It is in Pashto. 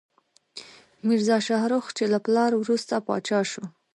میرزا شاهرخ، چې له پلار وروسته پاچا شو.